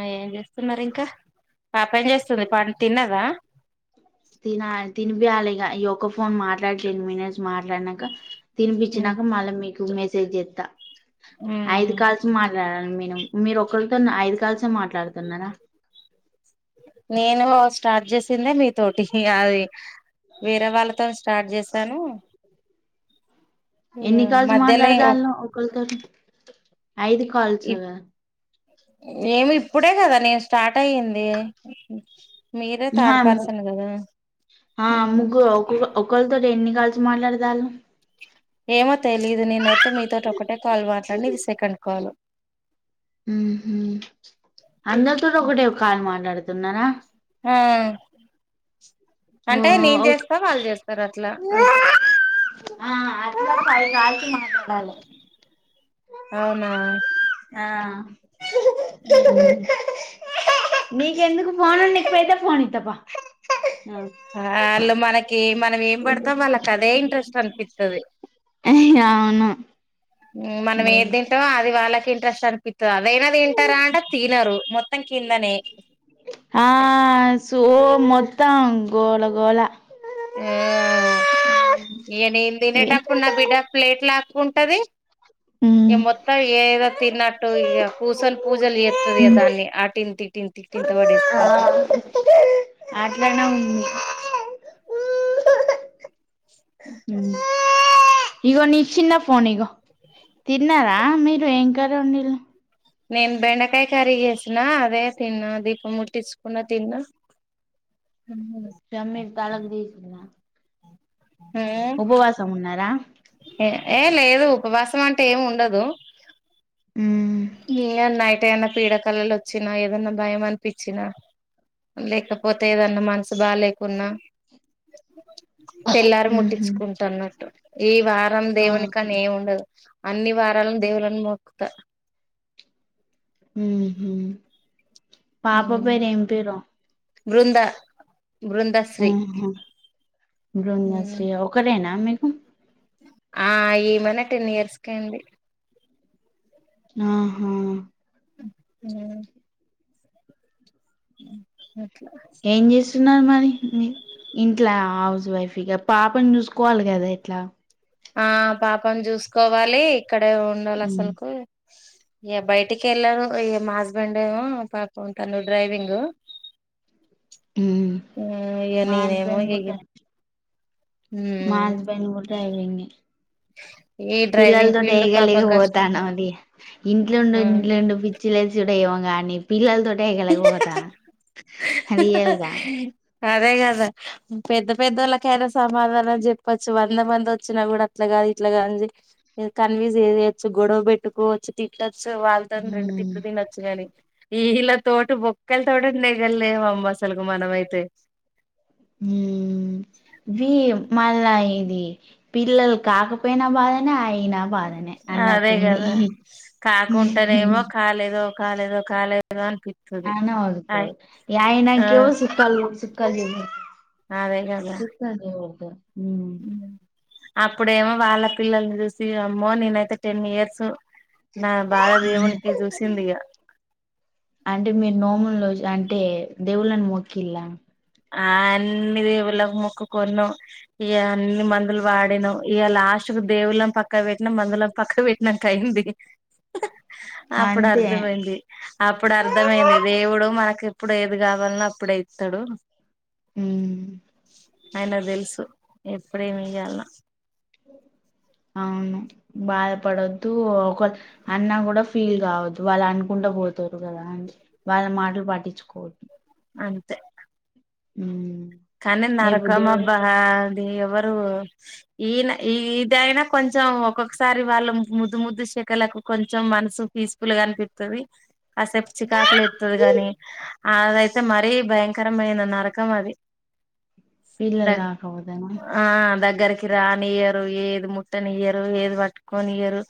ఆ ఏం చేస్తున్నారు ఇంకా పాప ఏం చేస్తుంది పన్ తిన్నదా తినాలి తినిపియాలి ఇగ ఈ ఒక్క ఫోను మాట్లాడి టెన్ మినిట్స్ మాట్లాడినంక తినిపిచ్చినాక మల్ల మీ మేసేజ్ జేత్తా ఐదు కాల్స్ మట్లా మీను మీరు ఒకళ్ తొన్ ఐదు కాల్సే మాట్లాడుతున్నారా నేను స్టార్ట్ చేసిందే మీ తోటి అది వేరే వాళ్ళతో స్టార్ట్ చేసాను ఇ ఎన్ని కాల్స్ మద్యలే ఒక మాట్లాడదాలో ఒకరితోటి ఐదు కాల్స్ ఇపుడే కదా నేను స్టార్ట్ అయింది మీరే ఆ థార్డ్ పర్సన్ కదా ఆ ఉమ్ ముగ్గురు ఒక్కొక్క ఒకరితోటి ఎన్ని కాల్స్ మాట్లాడదాలు ఏమొ తెలీదు నేనైతే మీ తోటి ఒక టే కాల్ మాట్లాన్నా ఇది సేకండ్ కాలు అందరితో ఒకటే ఒక కాల్ మాట్లాడు తున్నార ఆ ఓ అంటే నేను ఓ చేస్తా వాళ్ళు చేస్తారు అట్లా అంతే ఇంగా ఫైవ్ కాల్స్ మా యాల్లే అవునా ఆ నీకెందుకు ఫోన్ అ నకపోయితే ఫోన్ ఇస్తప్ప ఆ అలు మనకి మనం ఏం పడతాం వాళ్ళకి అదే ఇంట్రెస్ట్ అనిపిస్తుంది అవును ఉమ్ మనం ఏ తింటామో అది వాళ్ళకి ఇంట్రెస్ట్ అనిప్ తి అదైనా తింటారా అంటే తినరు మొత్తం కిందనే ఆ సో మొత్తం గోళ గోళ ఆ ఏ నెన్ తినేటప్పుడు నా బిడ్డ ప్లేట్లు లాగ్ ఉంటది ఇ ఉమ్ మొత్తం ఏదో తిన్నట్టు ఇక కూర్చొని పూజలు చేస్తుది దాన్ని ఆటింటి థిటిన్ తా వాడేసుకుంటా అట్లానే ఉంది ఉ ఇగో నీ ఇ చిన ఫోన్ ఇగో తిన్నారా మీరు ఏం కర్రీ వాండిఇన్లే నేను బెండకాయ కర్రీ చేసిన అదే తిన్నా దీపం ముట్టించకున్న తిన్నా ఉమ్ షమీర్ తాలక్ దిసింధ ఉపవాసం ఉన్నారా ఏ లేదు ఉపవాసం అంటే ఏమి ఉండదు మ్మ్ [unintelligible] పీడ కలలు వచ్చినా ఏదన్నా భయం అనిపించినా లేకపోతే ఏదన్నా మనసు బా లేేకున్నా తెల్లారి మ్హు ముట్టించుకుంటన్నట్టు ఈ వరం దేవునికా నేము ఉండదు అన్ని వారాలను దేవులను మొక్కుత మ్హు పాప పేరు ఏం పేరు బృందా ఉహుమ్ ఉమ్ బృందాశ్రీ ఒక్కరేనా అ మీకు ఆ ఏమైనా టెన్ ఇయర్స్ క అండి ఆహా ఉ ఉమ్ ఉమ్ ఉ ఏం చేస్తు [unintelligible] ఇంట్లా హౌస్ వైఫ్ పాపని చూసుకోవాలి కదా ఇట్లా ఆ పాపను చూసుకోవాలి ఇక్కడ ఉండాలి మ్మ్ అసలుకో ఇగ బయటికి ఎల ఈ మా హస్బెండ్ ఏమో పాపం తను డ్రైవింగ్ ఇగ మా నేనేమో హస్బెండ్ కు ఇగ [unintelligible] మా ఉమ్ హస్బెండ్ కూడా డ్రైవింగే ఈ డ్రైవింగ్ పిల్లలతోటి ఫీల్డ్ ఏగలేక పాపం కష్టం పోతన్న అండి ఇంట్లో ఉండి ఉమ్ ఇంట్లో ఉండి పిచ్చి లేసిడు ఏమో కానీ పిల్లల్తోటి ఏగలేక పోతన్న రియల్గా అదే పెద్ద పెద్దవాళ్ళకైనా సమాధానం చెప్పచ్చు వంద మంది వచ్చినా కూడా అట్లా కాదు ఇట్లా కాని కన్వీజ్ చేయొచ్చు గొడవ పెట్టుకోచ్చు తిట్టచ్చు సో వాళ్ళతోని రెండు ఉమ్ తిట్లు తినొచ్చగానీ [unintelligible] తోట బొక్కల తోట ఉండేగ [unintelligible] అసలుకు మనమైతే హు వే మ ఇది పిల్లలు కాకపోయినా బాధనే అయి అదే కదా కాకుంటానే ఏమో కాలేదో కాలేదు కాలేదు అనావుగుతు యయనాకేవో సుక్కలు సుక్కల్ ఆ అదే కదా సుక్కలిదు ఉ అప్పుడేమో వాళ్ళ పిల్లల్ని చూసి అమ్మో నేనైతే టెన్ ఇయర్స్ నా బాలదేవునికి చూసింది ఇగ అంటే మీరు నోములు అంటే దేవుళ్ళని మోకిల్లా ఆ అన్ని దేవుళ్ళ మొక్కు కొన్నాం. ఇక అన్ని మందులు వాడినాం. ఇక లాస్ట్ కు దేవుళ్ళం పక్క పెట్టినం. మందులం పక్క పెట్టినాకయింది. అప్పుడు అంతే అర్థమైంది అప్పుడు అర్థమైంది దేవుడు మనకి ఇప్పుడు ఇది కావాలన్నా అప్పుడే ఇస్తాడు హు ఆయనకి తెలుసు ఎప్పుడేమి ఇయ్యలనా అవును బాధపడద్దు ఒక అన్నా కూడా ఫీల్ కావద్దు వాళ్ళు అనుకుంటా పోతారు కదా అ వాళ్ళ మాటలు పాటించుకోవద్దు అంతే ఉ కానీ నరకం అబ్బా అది ఎవరు ఈయన ఇదైనా కొంచెం ఒక్కొక్కసారి వాళ్ళ ముద్దు ముద్దు శికలకు కొంచెం మనసు పీస్ఫుల్ గానిపితుది కాసేపు చికాకులు ఎతుది కాగాని అదైతే మరీ భయంకరమైన నరకం అది ద పిల్లలు కాకపోతేనా ఆ దగ్గర కి రాని ఇయరు ఏది ముట్టని ఇయ్యరు ఏది పట్టుకొని ఇయ్యరు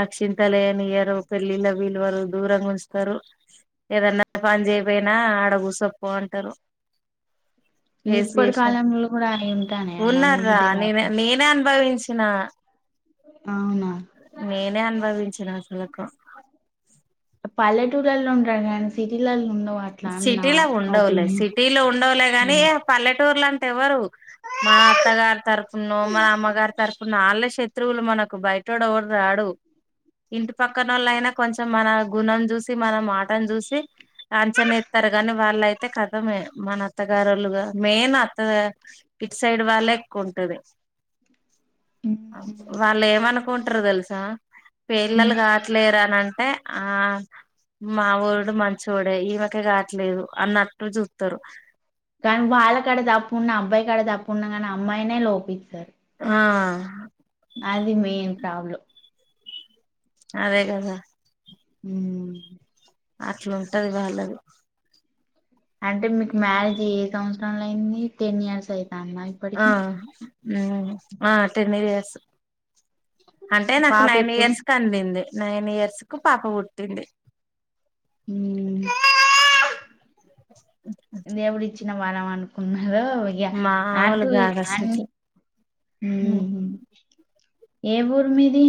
అ చిింతలే అని ఇయ్యరు పెళ్ళిళ్ళ వీళ్లు వాళ్ళు దూరంగా ఉంచుతారు ఏదన్నా పని చేయపోయినా ఆడగుసపో అంటారు ఇప్పటి కాలంలో కూడా అయి [unintelligible] ఉంటానయా ఉన్న రా నమ్మబుద్దే నే కాట్లే నేనే అనుభవించ చిన్నా అవునా నేనే అనుభవించిన అసలకు టూర్లల్లో ఉంటాడు గాని సిటీలల్లో ఉ సిటీలో ఉండవులే సిటీలో ఉండవులే గాని ఉమ్. ఇగ పల్లెటూరుల ఎవరు మన అత్తగారి తరపునో మన అమ్మగారి తరపున వాళ్ళ శత్రువులు మనకు బయటోడ ఎవరు రాడు. ఇంటి పక్కన వాళ్ళ అయినా కొంచెం మన గుణం చూసి మన మాటను చూసి కాంచన్ ఎత్తారు గాని, వాళ్ళయితే కథమే మన అత్తగారులుగా మెయిన్ అత్త ఇట్ సైడ్ వాళ్ళే ఎక్కువ ఉంటది. ఉమ్. వాళ్ళు ఏమనుకుంట [unintelligible] తెల్సా పిల్లలు ఉమ్. కావట్లేరానం ఏ ఆ మావోడు మంచి చూడే ఈమెక కావట్లేదు, అన్నట్టు చూత్తరు. కానీ వాళ్ళ కాడ తప్పు ఉన్న, అబ్బాయి కాడ తప్పు ఉన్న కానీ అమ్మాయినే లోపిత్తరు. ఆ అది మెయిన్ ప్రాబ్లం అదే కదా ఊ అట్లా ఉంటది వాళ్ళది. అంటే మీకు మ్యారేజ్ ఏ సంవత్సరంలో అయింది. టెన్ ఇయర్స్ అయి ఆ ఉ ఆ టెన్నిరియాస్. అంటే నాకు పాప నైన్ ఎప్పుడు ఇయర్స్ క అందింది. నైన్ ఇయర్స్ కు పాప పుట్టింది. [unintelligible] ఇది ఎవడిచ్చన వనం అనుకున్నా హలో భయ్యా ఆ మాములు టూయి కాదు అసలుకి [unintelligible] ఏం ఊరు మీది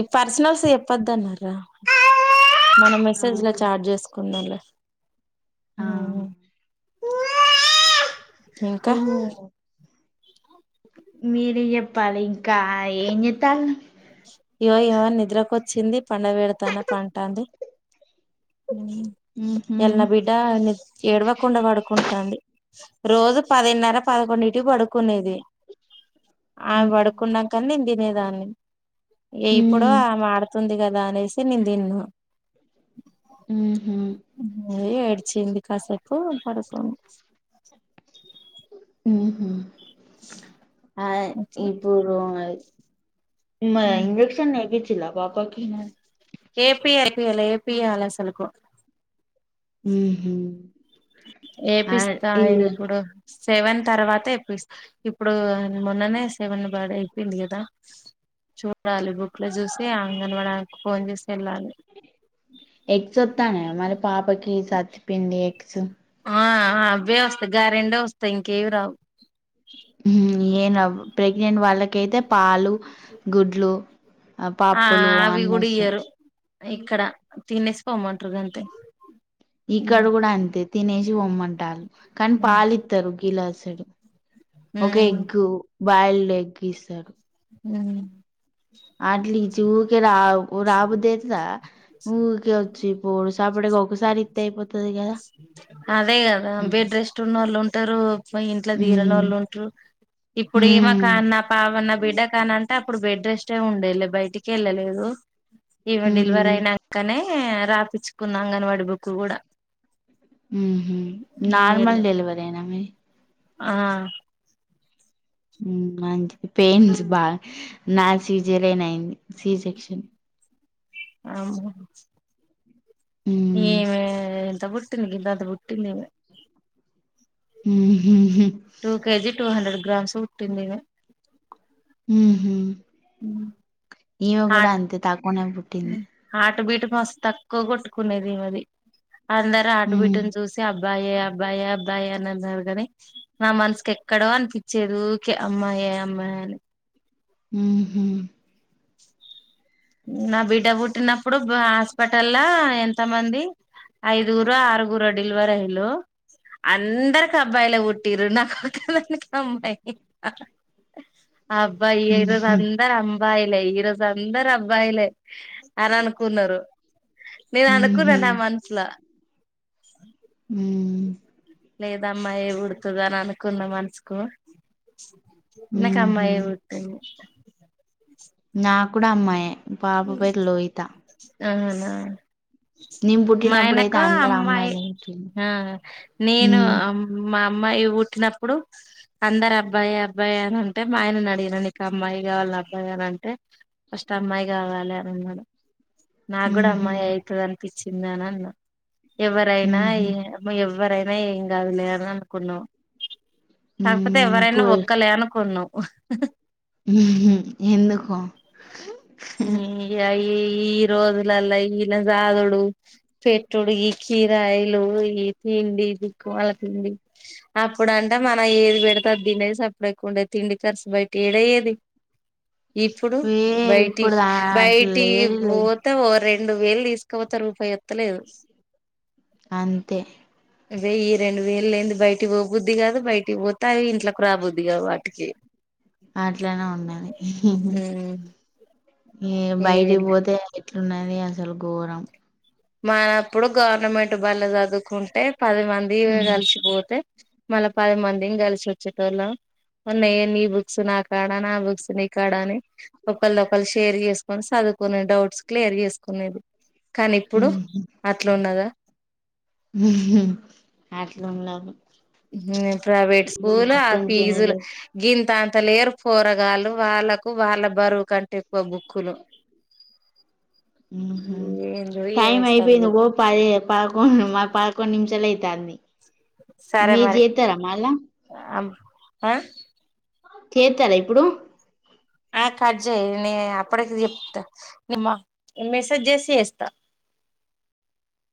ఈ పర్సనల్స్ చెప్పొద్దు అన్నారు ర మనం ఆ మెసేజ్ల చార్జ్స్ ఉన్నాలే ఆ [unintelligible] ఇంకా ఓహో మీరె ఎప్పాలి కా ఏ చెంత్తలానే ఇయవోయో నిద్రకొచ్చింది పండ పెడతాన్న పంటాంది. మ్మ్ హ్మ్ ఎల్నా బిడ్డ ని ఏడ్వకుండా పడుకు ఉంటడి రోజు పదిన్నర పదకొండు ఇటు పడుకునేది. ఆమె పడుకున్నా నిన్ తినేదాన్ని ఇప్పుడు మ్మ్ ఆమె ఆడుతుంది గా గానేసి నిను తిన్న మ్మ్ హ్మ్ ఏ ఎడ్చింది కాసేపు పడుకొనే ము హ్మ్ ఆ అట్లా ఇప్పుడు ఉన్నాయ్ ఇంజెక్షన్ నెగిటివ్ చిల్లా పాపకి ఇనా పియా అలసలకు మూ హ్మ్ ఏపిస్తా ఇప్పుడు సెవెన్ తర్వాత ఇప్పుడు మొన్ననే సెవెన్ బర్త్డే అయిపోయింది కదా. చూడాలి బుక్ లో చూసి అంగన్వాడి ఆమె కు ఫోన్ చేసి వెళ్ళాలి ఎగ్స్ వత్తాన్నయా మరి పాపాకి సత్తిపిండి, ఎగ్స్ ఆ అవ్వే వస్తాయి గ్యారెండే వస్తాయి ఇంకేవి రావు ఏను అవ్వు ప్రెగ్ నేను వాళ్ళకైతే పాలు గుడ్లు ఆ పప్పులు అవి అన్ని కూడా వస్తాయి ఇయ్యరు ఇక్కడ తినేసి పోమంటారు గంతే ఇక్కడ ఉమ్ కూడా అంతే తినేసి పొమ్మంటాన్లు కానీ పాలు ఇత్తరు గిలాస్ సడు ఒక ఎగ్గు బయలడ్ ఎగ్గిస్తరు హ్మ్ అట్లీ నుంచి ఊరికే రా రాబుద్ది అయితాద ఉరికే వచ్చి పొవుడు సప్పాడిగా ఒకసారి ఇత్తే అయిపోతాది కదా తరువు ఇంట్లో తీరని వొళ్ళు ఉంటారు ఇప్పుడు ఏమ హ్మ్ కాన్న పావన్న బిడ్డ అంటే అప్పుడు బెడ్ రెస్ట్ ఉండేలే బయటికే వెళ్ళలేదు ఇమె డెల్వరి హ్మ్ అయినాంకనే రాపిచ్చుకున్నా అంగన్వాడి బుక్ కూడా ఉహు నార్మల్ డెలివరి ఏనా మీది ఆ ఉ మంచిది పెయిన్స్ బాగా నాది సీజరిన్ అయింది సీ సెక్షన్ అవున హ్మ్ ఈమే ఎంత బు పుటింద్, గింతంత పుట్టిందిమే మ్మహ్హ్ two KG two hundred grams పుట్టింది ఈమే మ్మహ్ ఈమె కూడా హార్ట్ అంతే తక్కువనే పుట్టింది మస్ తక్కువ కొట్టుకునేది ఈమెది అందరు హ్మ్ హార్టబిట్టుని చూసి అబ్ అబ్బాయే అబ్బాయే అబ్బాయే అని అన్నరు కాని నా మనసుకి ఎక్కడో అనిపించేది ఉకే అమ్మాయే అమ్మాయి అని మ్మహ్ నా బిడ్డ పుట్టినప్పుడు హాస్పిటల్ ల ఎంతమంది ఐదుగురో ఆరుగురో డెలివరయిళ్ళు అందరికి అబ్బాయిలే పుట్టిరు నా కొక్కదానికే అమ్మాయి అబ్బాయే ఈ రోజ్ ఊహూ అందర్ అమ్ బయిలే ఈ రోజ్ అందర్ అన్ బాయిలే అని అనుకున్నరు నేన్ అనుకున్నా ఊహూ నా మనసుల అ మ్మ్ లేద్ అమ్మాయే పుడ్తదని అనుకున్న మనసుకు నాకు ఊహూ అమ్మాయే పుట్టింది నా కూడా అమ్మాయే పాప పేరు లోహిత అవునా నేను పుట్టినప్పుడయితే మాయనకు అందరు అమ్మాయి అమ్మాయిలే పుట్టిండ్రు ఆ హ్మ్ నేనుమ్ మా అమ్మాయి పుట్టినప్పుడు, అందరు అబ్బాయి అబ్బాయి అని అంటే మా ఆయనని అడిగినను ఇక అమ్మాయి కావళని అబ్బాయి అని అంటే ఫస్ట్ అమ్మాయి కావాలి అని అన్నాడు నా కూడా ఊహూ అమ్మాయే అయితదనిపిస్ చిన్న నాన్నా ఎవరైనా ఊహూ ఎమీ ఎవ్ ఎవ్వరైనా ఎం కాదులే అని అనుకున్నం కాకపోతే హ్మ్ ఎవరైనా ఒక్కలే అనుకున్నం మ్మహ్ ఎందుకో మ్మ్ ఇగ ఈ ఈ రోజులల్ల ఈలన్ జాదుడు పెట్టుడు ఈ కిరాయిలు ఈ తిండి దిక్కుమల తిండి అప్పుడు అంటే మనం ఏది పెడితే అది తినేది సప్పుడేక ఉండేది తిండి కర్సు బయటెడయేది ఇప్పుడు ఏ బయట్ ఇప్పుడు దా- అట్లా బయిటి లేరు లే పోత రెండు వేలు తీసుకోపోతారు రూపాయి ఎత్తలేదు అంతే వేయ్య రెండు వేలు లేనిది బయటికి పోబద్ది కాదు, బయటికి పోతే అవి ఇంట్లోకి రాబుద్దిగాద వాటికి అట్లనే ఉన్నాయి ఏ ఏ బయటికి పోతే ఇట్లున్నది అసలు ఘోరం మనప్పుడు గవర్నమెంట్ బల్ల చదువుకుంటే పది మంది ఉమ్, కలిసిపోతే మళ్ళ పది మందిని కలిసిచ్చేటోళ్ళం, ఉన్నాయ నీ బుక్స్ నా కాడా ఆ బుక్స్ నీ కాడాని, ఒకళ్ళ ఒకళ్రు షేర్ చేసుకొని చదువుకుొని డౌట్స్ క్లియర్ చేసుకునేది ఇప్పుడు అట్లు ఉన్నదా అట్లుంల హ్ ప్రైవేట్ స్కూల్ ఆ మొత్తం ఫీజులు జనరేషన్ గింతా అంత లేర్ పొర వాళ్ళు వాళ్ళకు వాళ్ళ బరువు కంటే కువ బుక్కులు హు హుమ్ ఏందో టైం ఏమి అయిపోయింది చదువులు ఇగో పదే పదకొండు మా పదకొండు నిమిషాలు అయితాంది సరే మీర్ మరి జెత్తరా మళ్ళా ఆ చేతారా ఇప్పుడు ఆ కట్ జేయి నే అప్పడకి చెప్తా నిమ్ మెసేజ్ చేసి చేస్తా